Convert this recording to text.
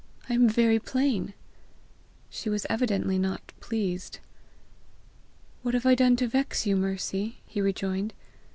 I am very plain!" She was evidently not pleased. "What have I done to vex you, Mercy?" he rejoined.